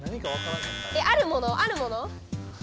えあるもの？あるもの？